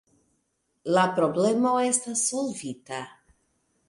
La problemo estas solvita!